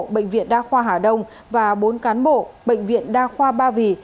bệnh viện đa khoa hà đông và bốn cán bộ bệnh viện đa khoa ba vì